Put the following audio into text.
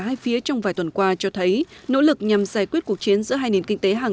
hai phía trong vài tuần qua cho thấy nỗ lực nhằm giải quyết cuộc chiến giữa hai nền kinh tế hàng